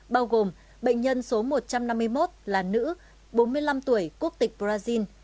bao gồm bệnh nhân số một trăm năm mươi một là nữ bốn mươi năm tuổi quốc tịch brazil